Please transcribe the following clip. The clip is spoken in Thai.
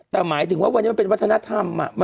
แต่หมายถึงว่าวันนี้มันเป็นวัฒนธรรม